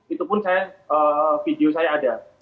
itu pun video saya ada